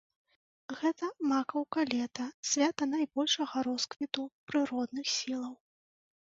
Гэта макаўка лета, свята найбольшага росквіту прыродных сілаў.